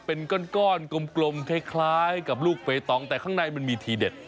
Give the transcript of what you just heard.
เป็นก้อนกลมคล้ายกับลูกเปตองแต่ข้างในมันมีทีเด็ด